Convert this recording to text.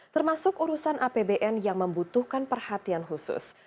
termasuk urusan apbn yang membutuhkan perhatian khusus